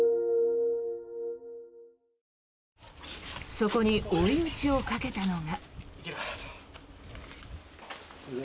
そこに追い打ちをかけたのが。